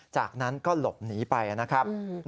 จากนั้นก็หลบหนีไปนะครับ